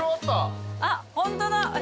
あっホントだ。